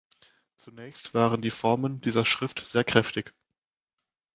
Zunächst waren die Formen dieser Schrift sehr kräftig.